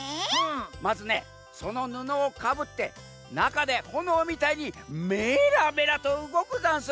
まずねそのぬのをかぶってなかでほのおみたいにメラメラとうごくざんす。